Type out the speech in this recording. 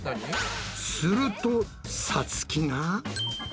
するとさつきが。